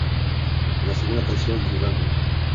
Es la segunda canción en el álbum.